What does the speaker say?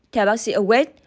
theo bác sĩ awed